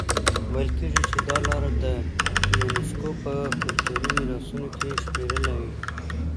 ویل کېږي چې دا لاره یونیسکو په کلتوري میراثونو کې شمېرلي.